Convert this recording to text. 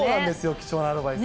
貴重なアドバイス。